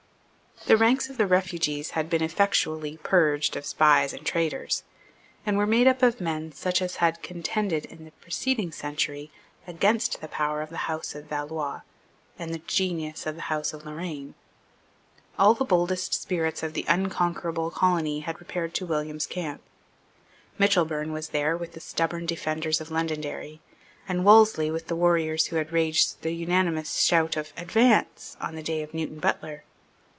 The ranks of the refugees had been effectually purged of spies and traitors, and were made up of men such as had contended in the preceding century against the power of the House of Valois and the genius of the House of Lorraine. All the boldest spirits of the unconquerable colony had repaired to William's camp. Mitchelburne was there with the stubborn defenders of Londonderry, and Wolseley with the warriors who had raised the unanimous shout of "Advance" on the day of Newton Butler.